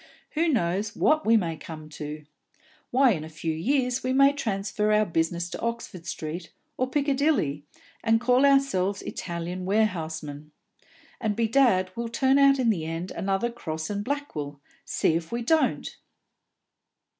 Who knows what we may come to? Why, in a few years we may transfer our business to Oxford Street or Piccadilly, and call ourselves Italian warehousemen; and bedad, we'll turn out in the end another Crosse and Blackwell, see if we don't!"